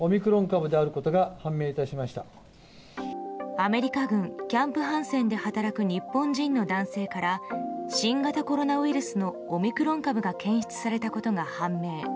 アメリカ軍キャンプ・ハンセンで働く日本人の男性から新型コロナウイルスのオミクロン株が検出されたことが判明。